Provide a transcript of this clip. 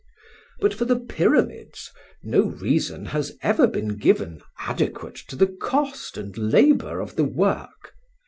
"But for the Pyramids, no reason has ever been given adequate to the cost and labour of the work.